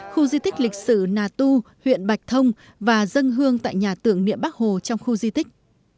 khu di tích lịch sử nà tu huyện bạch thông và dân hương tại nhà tưởng niệm bắc hồ trong khu di tích